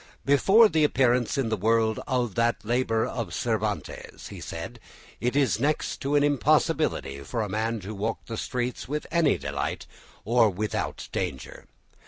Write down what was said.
"Before the appearance in the world of that labour of Cervantes," he said, "it was next to an impossibility for a man to walk the streets with any delight or without danger.